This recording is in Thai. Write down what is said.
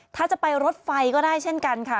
ถ้าจะไปรถไฟก็ได้เช่นกันค่ะ